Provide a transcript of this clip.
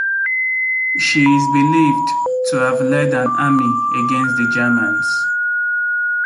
She is believed to have led an army against the Germans.